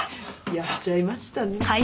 やっちゃいましたね。